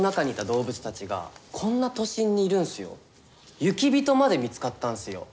雪人まで見つかったんすよ。